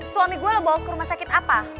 suami gue bawa ke rumah sakit apa